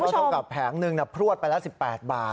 ก็ต้องกลับแผงนึงนะพลวดไปละ๑๘บาท